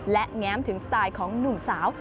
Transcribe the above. และแง้มถึงสไตล์ของหนุ่มสาว